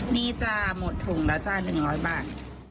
นี่จ้ะหมดถุงแล้วจ้ะ๑๐๐บาท